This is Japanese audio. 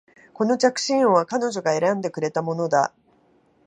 この着信音は彼女が選んでくれたものだ